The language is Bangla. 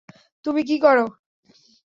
তুমি কি করো?